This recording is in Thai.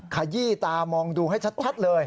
ขยี้ตามองดูให้ชัดเลย